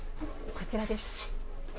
こちらです。